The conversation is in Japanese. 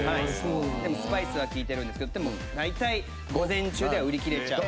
でもスパイスはきいてるんですけどでも大体午前中では売り切れちゃう。